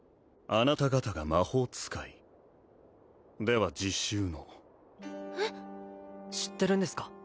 あなた方が魔法使いでは実習のえっ知ってるんですか？